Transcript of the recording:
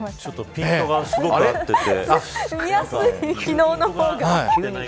ピントがすごく合ってて。